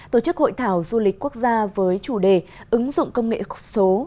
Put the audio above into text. tổ chức hội thảo du lịch quốc gia với chủ đề ứng dụng công nghệ số